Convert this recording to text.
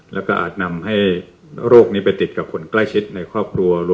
แล้วก็อาจนำให้โรคนี้ไปติดกับคนใกล้ชิดในครอบครัว